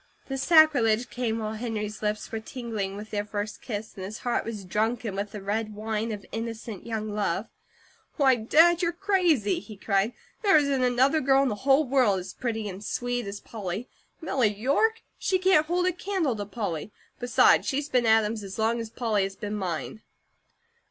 This sacrilege came while Henry's lips were tingling with their first kiss, and his heart was drunken with the red wine of innocent young love. "Why, Dad, you're crazy!" he cried. "There isn't another girl in the whole world as pretty and sweet as Polly. Milly York? She can't hold a candle to Polly! Besides, she's been Adam's as long as Polly has been mine!"